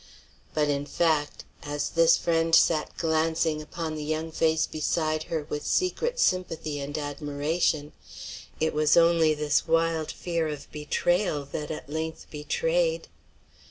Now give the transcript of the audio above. But in fact, as this friend sat glancing upon the young face beside her with secret sympathy and admiration, it was only this wild fear of betrayal that at length betrayed.